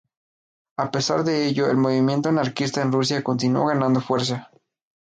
A pesar de ello, el movimiento anarquista en Rusia continuó ganando fuerza.